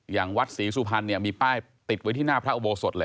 อย่างวัดศรีสุพรรณเนี่ยมีป้ายติดไว้ที่หน้าพระอุโบสถเลย